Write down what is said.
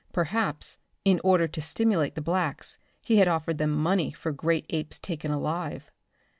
Perhaps, in order to stimulate the blacks, he had offered them money for great apes taken alive.